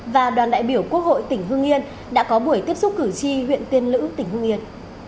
và đoàn đại biểu quốc hội tỉnh hương yên đã có buổi tiếp xúc cử tri huyện tiên lữ tỉnh hương yên